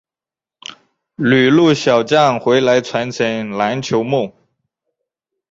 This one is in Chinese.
旅陆小将回来传承篮球梦